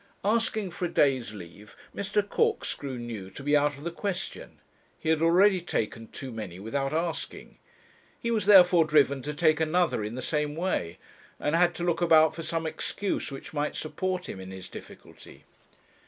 Asking for a day's leave Mr. Corkscrew knew to be out of the question; he had already taken too many without asking. He was therefore driven to take another in the same way, and had to look about for some excuse which might support him in his difficulty.